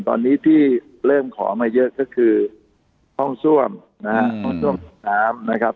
ตอนนี้ที่เริ่มขอมาเยอะก็คือห้องซ่วมนะฮะห้องซ่วมน้ำนะครับ